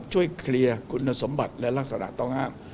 ช่วยเคลียร์คุณสมบัติและลักษณะต้องห้าม